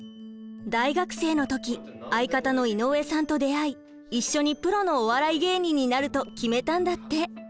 大学生の時相方の井上さんと出会い一緒にプロのお笑い芸人になると決めたんだって。